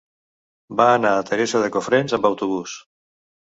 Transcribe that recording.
Va anar a Teresa de Cofrents amb autobús.